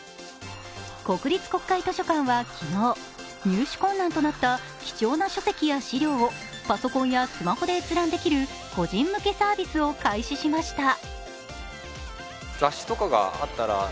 国立国会図書館は昨日、入手困難となった貴重な書籍や資料をパソコンやスマホで閲覧できる個人向けサービスを開始しました。